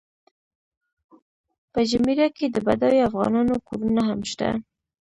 په جمیره کې د بډایو افغانانو کورونه هم شته.